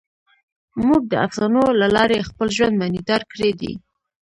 موږ د افسانو له لارې خپل ژوند معنیدار کړی دی.